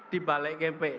di balik kempe